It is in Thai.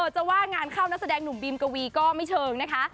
จะว่างานเข้านักแสดงหนุ่มบีมกวีก็ไม่เชิงนะคะ